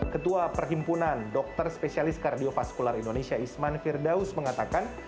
ketua perhimpunan dokter spesialis kardiofaskular indonesia isman firdaus mengatakan